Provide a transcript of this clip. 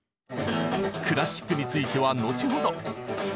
クラシックについては後ほど。